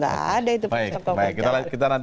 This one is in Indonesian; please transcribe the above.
gak ada itu persengkokolan jahat